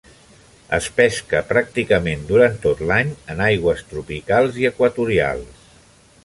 Es pesca pràcticament durant tot l'any en aigües tropicals i equatorials.